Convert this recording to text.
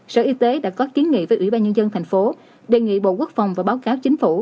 sở y tế đã có kiến nghị với ủy ban nhân dân thành phố đề nghị bộ quốc phòng và báo cáo chính phủ